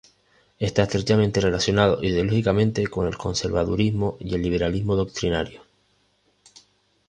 Está estrechamente relacionado ideológicamente con el conservadurismo y el liberalismo doctrinario.